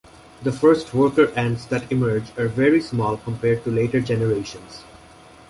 The first worker ants that emerge are very small compared to later generations.